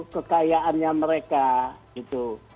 kekayaannya mereka gitu